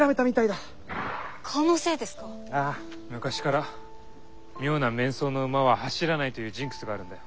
昔から妙な面相な馬は走らないというジンクスがあるんだよ。